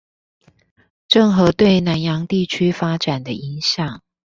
鄭和對南洋地區發展的影響